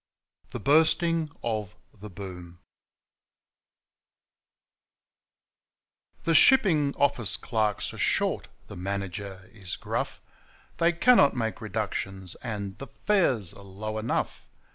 THE BURSTING OF THE BOOM The shipping office clerks are 'short,' the manager is gruff 'They cannot make reductions,' and 'the fares are low enough.